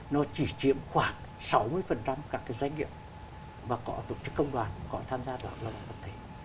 nó chỉ chiếm khoảng sáu mươi các cái doanh nghiệp mà có tổ chức công đoàn có tham gia tòa cộng đoàn tập thể